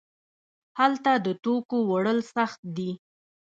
هلته د توکو وړل سخت دي.